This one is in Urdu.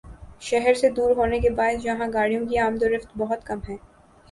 شہر سے دور ہونے کے باعث یہاں گاڑیوں کی آمدورفت بہت کم ہے